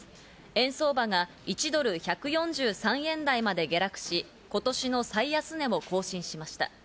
円相場が１ドル＝１４３円台まで下落し、今年の最安値を更新しました。